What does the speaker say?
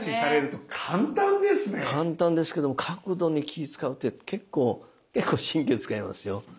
簡単ですけども角度に気遣うって結構結構神経使いますよ。